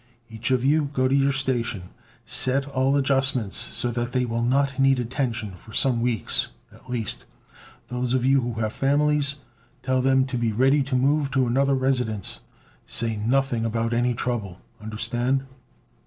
Each of you go to your station. Set all adjustments so that they will not need attention for some weeks, at least. Those of you who have families, tell them to be ready to move to another residence. Say nothing about any trouble understand?"